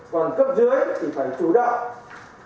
còn cấp dưới thì phải chủ động